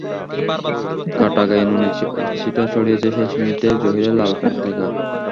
কাটা ঘায়ে নুনের ছিটা ছড়িয়েছে শেষ মিনিটে জহিরের লাল কার্ড দেখা।